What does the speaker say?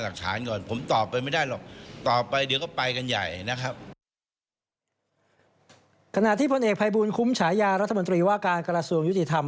ขณะที่พลเอกภัยบูลคุ้มฉายารัฐมนตรีว่าการกระทรวงยุติธรรม